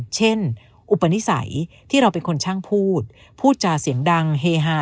อุปนิสัยที่เราเป็นคนช่างพูดพูดจาเสียงดังเฮฮา